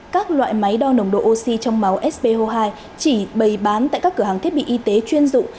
các loại máy đo nồng độ oxy trong máu sbo hai chỉ bày bán tại các cửa hàng thiết bị y tế chuyên dụng